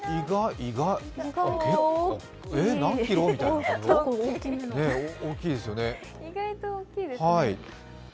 意外と大きいですね。